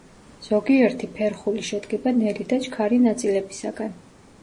ზოგიერთი ფერხული შედგება ნელი და ჩქარი ნაწილებისაგან.